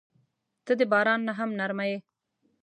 • ته د باران نه هم نرمه یې.